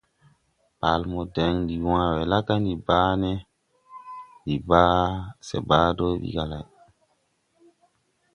Bale mo deŋ ndi wãã ge la ga ndi baa ne, se baa ge do ɓi ga lay.